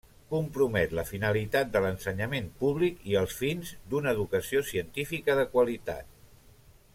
Compromet la finalitat de l'ensenyament públic i els fins d'una educació científica de qualitat.